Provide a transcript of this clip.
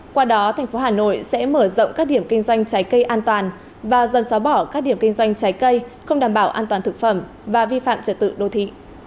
qua đó thành phố hà nội sẽ mở rộng các điểm kinh doanh trái cây an toàn và dần xóa bỏ các điểm kinh doanh trái cây không đảm bảo an toàn thực phẩm và vi phạm trật tự đô thị